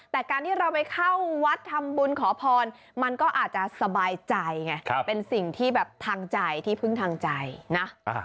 แต่การที่เราไปเข้าวัดทำบุญขอพรมันก็อาจจะสบายใจไงเป็นสิ่งที่แบบทางใจที่พึ่งทางใจนะ